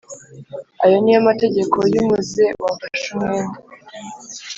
ayo ni yo mategeko y umuze wafashe umwenda